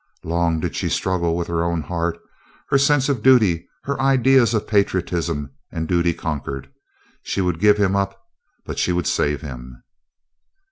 Long did she struggle with her own heart, her sense of duty, her ideas of patriotism; and duty conquered. She would give him up, but she would save him.